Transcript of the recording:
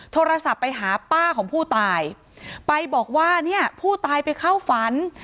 โทรศัพท์ไปหาป้าของผู้ตายไปบอกว่าเนี่ยผู้ตายไปเข้าฝัน